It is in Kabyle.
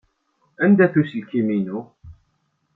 Anda-t uselkim-inu?